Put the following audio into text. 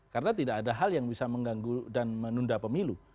karena tidak ada hal yang bisa mengganggu dan menunda pemilu